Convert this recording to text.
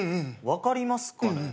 分かりますかね？